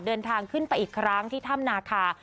เดินทางขึ้นไปอีกครั้งที่ถ้ำนาคา